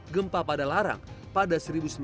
gempa padalarang pada seribu sembilan ratus sepuluh